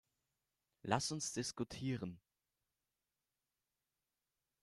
Lass uns diskutieren.